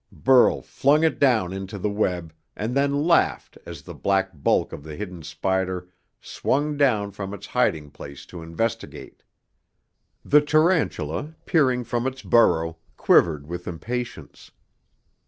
Burl flung it down into the web, and then laughed as the black bulk of the hidden spider swung down from its hiding place to investigate. The tarantula, peering from its burrow, quivered with impatience.